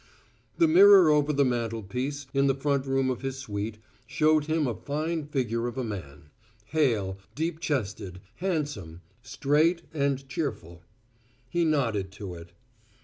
The mirror over the mantelpiece, in the front room of his suite, showed him a fine figure of a man: hale, deep chested, handsome, straight and cheerful. He nodded to it.